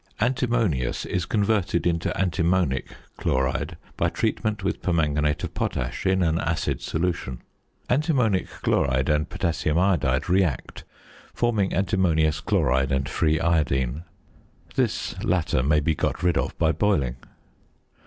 Antimonious is converted into antimonic chloride by treatment with permanganate of potash in an acid solution. Antimonic chloride and potassium iodide react, forming antimonious chloride and free iodine. This latter may be got rid of by boiling.